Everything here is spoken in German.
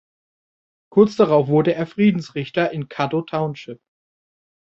Kurz darauf wurde er Friedensrichter in Caddo Township.